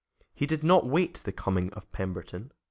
He did not wait the coming of Pemberton.